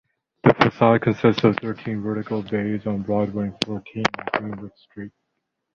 The facade consists of thirteen vertical bays on Broadway and fourteen on Greenwich Street.